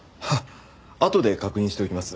あとで確認しておきます。